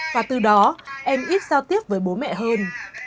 và từ đó em ít giao tiếp với bố mẹ hơn